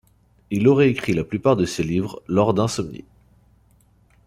Il aurait écrit la plupart de ses livres, lors d'insomnie.